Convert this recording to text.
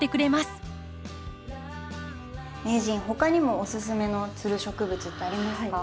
名人他にもおすすめのつる植物ってありますか？